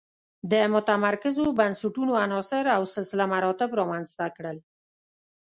د متمرکزو بنسټونو عناصر او سلسله مراتب رامنځته کړل.